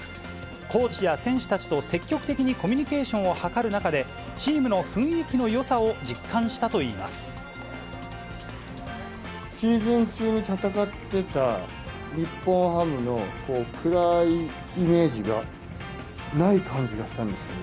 コーチや選手たちと積極的にコミュニケーションを図る中で、チームの雰囲気のよさを実感したシーズン中に戦ってた、日本ハムの暗いイメージがない感じがしたんですよね。